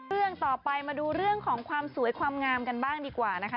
เรื่องต่อไปมาดูเรื่องของความสวยความงามกันบ้างดีกว่านะคะ